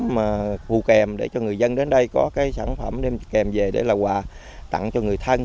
mà hù kèm để cho người dân đến đây có cái sản phẩm đem kèm về để là quà tặng cho người thân